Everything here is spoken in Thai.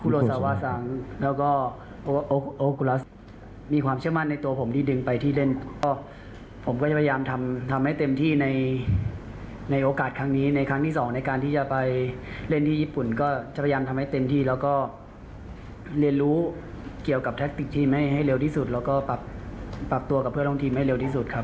โอกูลัสมีความเชื่อมั่นในตัวผมที่ดึงไปที่เล่นก็ผมก็จะพยายามทำให้เต็มที่ในโอกาสครั้งนี้ในครั้งที่สองในการที่จะไปเล่นที่ญี่ปุ่นก็จะพยายามทำให้เต็มที่แล้วก็เรียนรู้เกี่ยวกับแท็กติกทีมให้ให้เร็วที่สุดแล้วก็ปรับตัวกับเพื่อนร่วมทีมให้เร็วที่สุดครับ